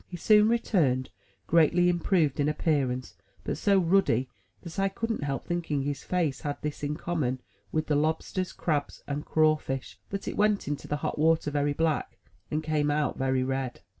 He soon returned, greatly improved in appearance, but so ruddy, that I couldn't help thinking his face had this in common with the lobsters, crabs, and crawfish; — that it went into the hot water very black, and came out very red.